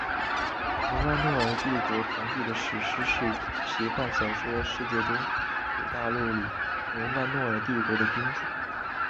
努曼诺尔帝国皇帝的史诗式奇幻小说世界中土大陆里努曼诺尔帝国的君主。